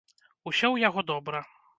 Усё ў яго добра.